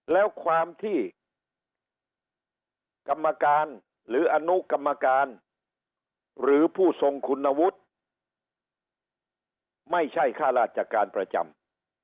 แล้วความที่กรรมการหรืออนุกรรมการหรือผู้ทรงคุณวุฒิไม่ใช่ข้าราชการประจำ